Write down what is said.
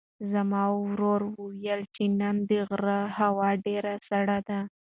زما ورور وویل چې نن د غره هوا ډېره سړه ده.